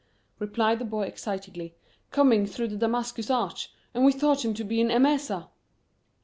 replied the boy excitedly; "coming through the Damascus arch, and we thought him to be in Emesa."